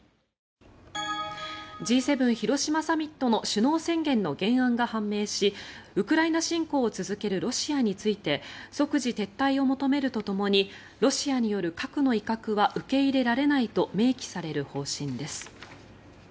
Ｇ７広島サミットの首脳宣言の原案が判明しウクライナ侵攻を続けるロシアについて即時撤退を求めるとともにロシアによる核の威嚇は受け入れられないと明記される方針です。